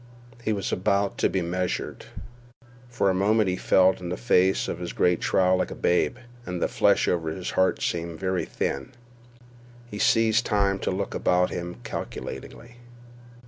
He was about to be measured. For a moment he felt in the face of his great trial like a babe, and the flesh over his heart seemed very thin. He seized time to look about him calculatingly.